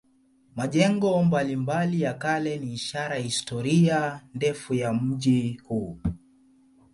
Majengo mbalimbali ya kale ni ishara ya historia ndefu ya mji huu.